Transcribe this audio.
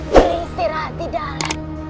beristirahat di dalam